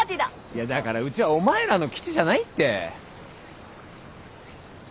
いやだからうちはお前らの基地じゃないって。